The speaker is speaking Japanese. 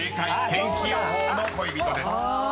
「天気予報の恋人」です］